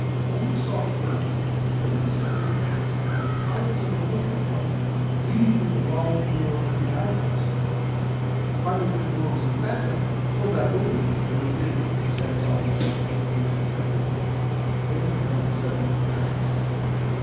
On the soft earth were the very distinct impressions of the tyres of a motor car leading from the wide door of the outhouse. Finding that the door was unfastened, Thorndyke opened it, and looked in, to satisfy himself that the place was empty. Then he fell to studying the tracks.